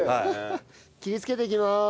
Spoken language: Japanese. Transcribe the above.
切りつけていきます。